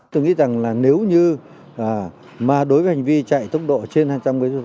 tôi nghĩ rằng nếu như mà đối với hành vi chạy tốc độ trên hai trăm linh kmh